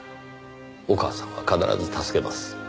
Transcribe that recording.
お母さんは必ず助けます。